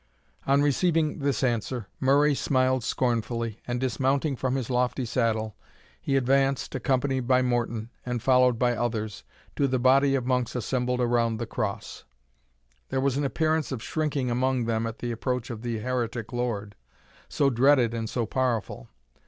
On receiving this answer, Murray smiled scornfully, and, dismounting from his lofty saddle, he advanced, accompanied by Morton, and followed by others, to the body of monks assembled around the cross. There was an appearance of shrinking among them at the approach of the heretic lord, so dreaded and so powerful.